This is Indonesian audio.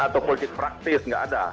atau politik praktis nggak ada